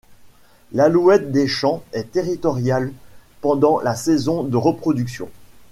L’alouette des champs est territoriale pendant la saison de reproduction.